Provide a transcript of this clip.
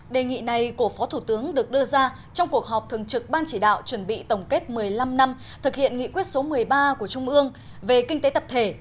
đề nghị này của phó thủ tướng được đưa ra trong cuộc họp thường trực ban chỉ đạo chuẩn bị tổng kết một mươi năm năm thực hiện nghị quyết số một mươi ba của trung ương về kinh tế tập thể